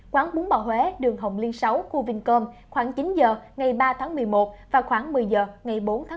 quán bún bò huế đường hồng liên sáu khu vinh cơm khoảng chín h ngày ba tháng một mươi một